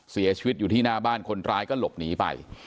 เสียชีวิตอยู่ที่หน้าบ้านคนร้ายก็หลบหนีไป